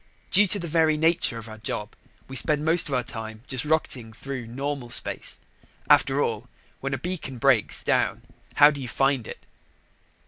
Due to the very nature of our job, we spend most of our time just rocketing through normal space. After all, when a beacon breaks down, how do you find it?